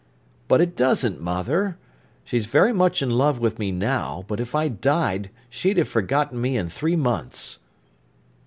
"But it doesn't, mother. She's very much in love with me now, but if I died she'd have forgotten me in three months."